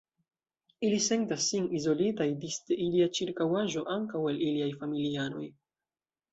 Ili sentas sin izolitaj disde ilia ĉirkaŭaĵo, ankaŭ el iliaj familianoj.